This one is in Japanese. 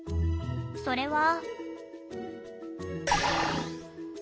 それは。